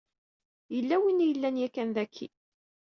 Yella win i yellan yakan daki.